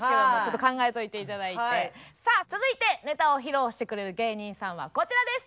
さあ続いてネタを披露してくれる芸人さんはこちらです！